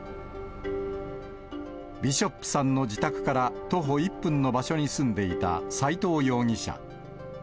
ビショップさんの自宅から徒歩１分の場所に住んでいた斎藤容疑者。